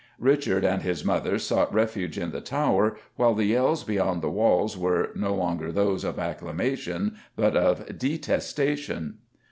Richard and his mother sought refuge in the Tower while the yells beyond the walls were no longer those of acclamation but of detestation.